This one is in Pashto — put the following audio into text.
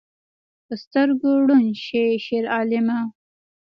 په سترګو ړوند شې شیرعالمه